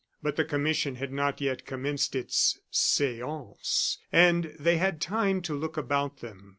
But the commission had not yet commenced its seance; and they had time to look about them.